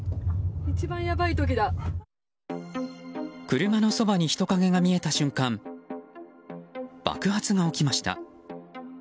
車のそばに人影が見えた瞬間爆発が起きました。